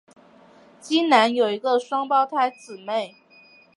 基南有一个双胞胎姊妹。